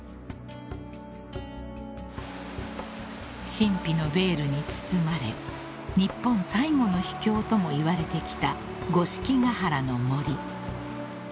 ［神秘のベールに包まれ日本最後の秘境とも言われてきた五色ヶ原の森］